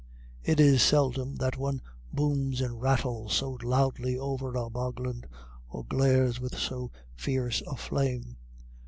It is seldom that one booms and rattles so loudly over our bogland, or glares with so fierce a flame.